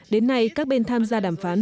đến nay các bên tham gia đàm phán